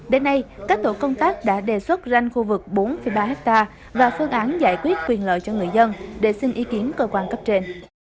đến nay các tổ công tác đã đề xuất ranh khu vực bốn ba hectare và phương án giải quyết quyền lợi cho người dân để xin ý kiến cơ quan cấp trên